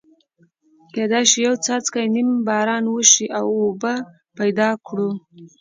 کېدای شي یو څاڅکی نیم باران وشي او اوبه پیدا کړو.